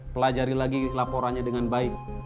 pelajari lagi laporannya dengan baik